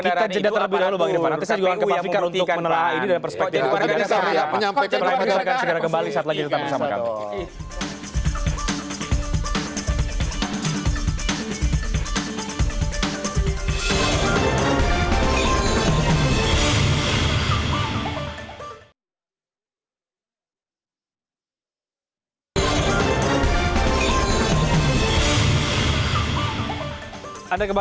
kita jeda terlebih dahulu bang irfan